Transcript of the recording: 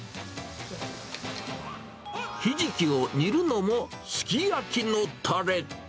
ひじきを煮るのもすき焼きのたれ。